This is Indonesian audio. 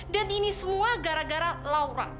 dan ini semua gara gara laura